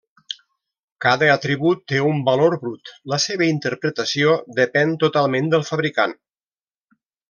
Cada atribut té un valor brut, la seva interpretació depèn totalment del fabricant.